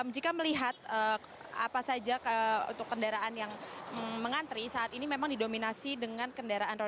jika melihat apa saja untuk kendaraan yang mengantri saat ini memang didominasi dengan kendaraan roda